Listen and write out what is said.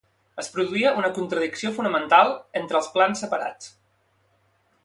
Es produïa una contradicció fonamental entre els plans separats.